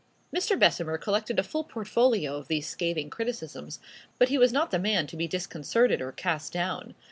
Mr. Bessemer collected a full portfolio of these scathing criticisms; but he was not the man to be disconcerted or cast down.